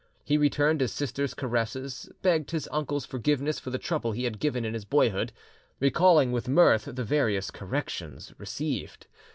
He returned his sisters' carresses, begged his uncle's forgiveness for the trouble he had given in his boyhood, recalling with mirth the various corrections received.